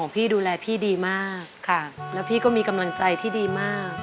พี่ดูแลพี่ดีมากแล้วพี่ก็มีกำลังใจที่ดีมาก